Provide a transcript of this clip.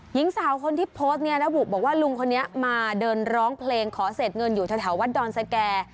หญิงสาวคนที่โพสต์เนี่ยระบุบอกว่าลุงคนนี้มาเดินร้องเพลงขอเศษเงินอยู่แถววัดดอนสแก่